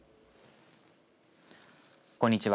こんにちは。